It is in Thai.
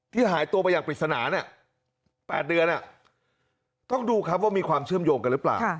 หายตัวไปอย่างปริศนา๘เดือนต้องดูครับว่ามีความเชื่อมโยงกันหรือเปล่า